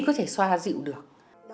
có thể xoa dịu được